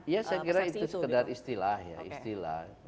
iya saya kira itu sekedar istilah